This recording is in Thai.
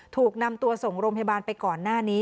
ถูกนำตัวส่งโรงพยาบาลไปก่อนหน้านี้